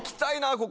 ここ。